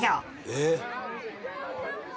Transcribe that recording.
えっ？